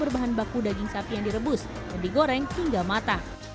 berbahan baku daging sapi yang direbus dan digoreng hingga matang